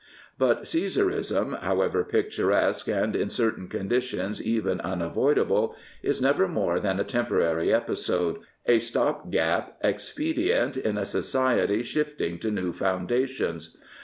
But Caesarism, however picturesque and in certain conditions even unavoidable, is never more than a temporary episode, a stop gap expedient, in a society shifting to new foundations.